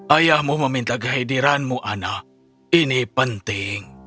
ayahmu meminta kehadiranmu ana ini penting